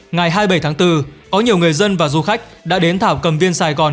ngày hai mươi bảy tháng bốn có nhiều người dân và du khách đã đến thảo cầm viên sài gòn